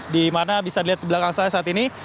di mana bisa dilihat di belakang saya saat ini